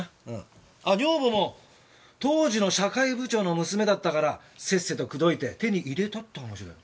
女房も当時の社会部長の娘だったからせっせと口説いて手に入れたって話だよ。